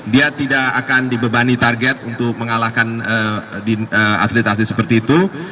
dia tidak akan dibebani target untuk mengalahkan atlet atlet seperti itu